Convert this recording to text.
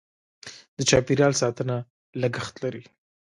د چاپیریال ساتنه لګښت لري.